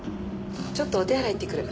ちょっとお手洗い行ってくる。